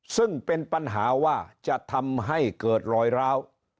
ซึ่งเป็นปัญหาว่าจะทำให้เกิดรอยร้าว